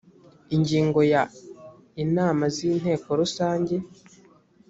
ingingo ya inama z inteko rusange